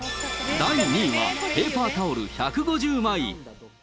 第２位はペーパータオル１５０枚。